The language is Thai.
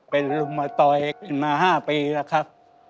เป็นลุมมาต่อยกันมา๕ปีแล้วครับ